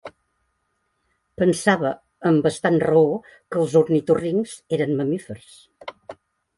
Pensava, amb bastant raó, que els ornitorrincs eren mamífers.